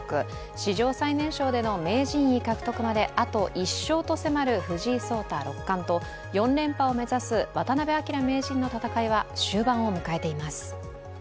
史上最年少での名人位獲得まであと１勝と迫る藤井聡太六冠と４連覇を目指す渡辺明名人の戦いは終盤を迎えています。